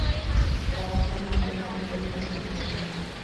Trabaja en una tienda de flores de su familia.